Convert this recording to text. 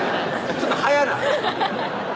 ちょっと早ない？